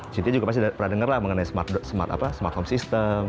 city juga pasti pernah dengar lah mengenai smart home system